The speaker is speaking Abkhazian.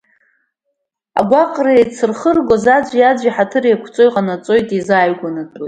Агәаҟра еицырхыргоз, аӡәи-аӡәи ҳаҭыр еиқәрҵо иҟанаҵеит, еизааигәанатәит.